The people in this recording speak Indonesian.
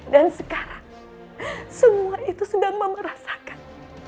dan sekarang semua itu sedang memerasakan